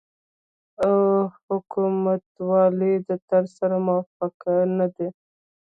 او حکومتولۍ د طرز سره موافق نه دي